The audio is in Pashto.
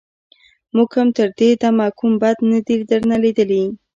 موږ هم تر دې دمه کوم بد نه دي درنه ليدلي.